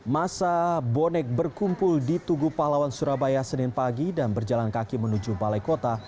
masa bonek berkumpul di tugu pahlawan surabaya senin pagi dan berjalan kaki menuju balai kota